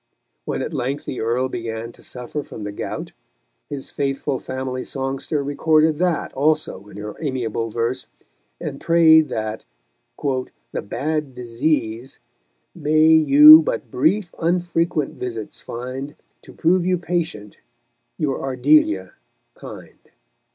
When at length the Earl began to suffer from the gout, his faithful family songster recorded that also in her amiable verse, and prayed that "the bad disease" May you but brief unfrequent visits find To prove you patient, your Ardelia kind.